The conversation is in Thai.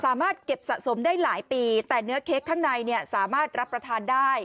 สามารถเก็บสะสมได้หลายปีแต่เนื้อเค้กข้างในเนี่ยสามารถรับประทานได้